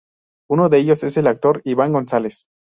Uno de ellos es el actor Iván González.